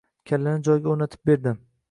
Kallani joyiga o‘rnatib berdi.